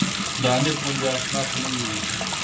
د حنيف غوندې اشنا خو نه هيريږي